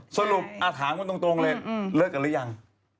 สรุปอัตหางคุณตรงเลยเลิกกันรึยัง